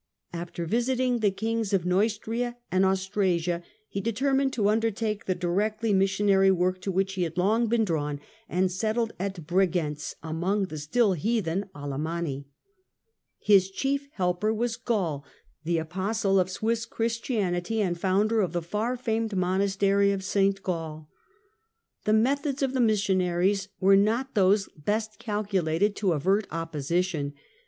After visit ing the kings of Xeustria and Australia he determined to undertake the directly missionary work to which he had long been drawn and settled at Bregentz among the still heathen Alemanni. His chief helper was Gall — the apostle of Swiss Christianity and founder of the far famed monastery of St. Gall. The methods of the missionaries were not those best calculated to avert op position.